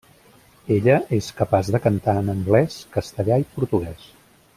Ella és capaç de cantar en anglès, castellà i portuguès.